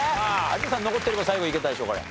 有田さん残ってれば最後いけたでしょこれ。